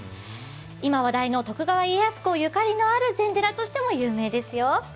今話題の徳川家康公ゆかりのある禅寺としても有名ですよ。